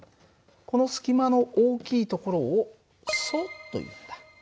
この隙間の大きい所を疎というんだ。